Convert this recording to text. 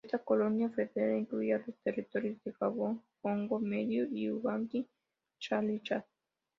Esta colonia federal incluía los territorios de: Gabón, Congo-Medio, y Ubangui-Chari-Chad.